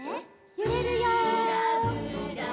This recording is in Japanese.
ゆれるよ。